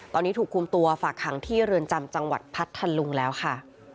ตอนนี้ถูกคุมตัวฝากขังที่เรือนจำจังหวัดพัทธลุงแล้วค่ะ